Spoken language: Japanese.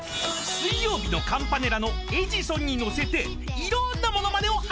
［水曜日のカンパネラの『エジソン』に乗せていろんなものまねを発明］